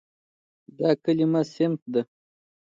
دا کلمه "صنف" ده.